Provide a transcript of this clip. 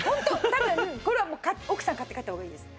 多分これは奥さんに買って帰った方がいいです。